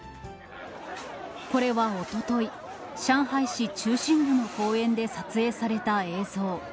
これはおととい、上海市中心部の公園で撮影された映像。